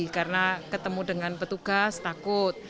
karena ketemu dengan petugas takut